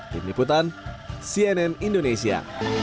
tim liputan cnn indonesia